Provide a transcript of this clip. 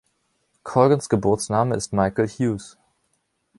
Colgans Geburtsname ist Michael Hughes.